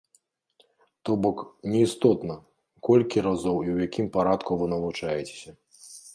То бок, не істотна, колькі разоў і ў якім парадку вы навучаецеся.